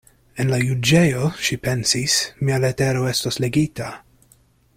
En la juĝejo, ŝi pensis, mia letero estos legita.